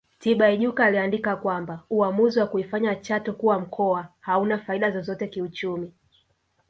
Tibaijuka aliandika kwamba uamuzi wa kuifanya Chato kuwa mkoa hauna faida zozote kiuchumi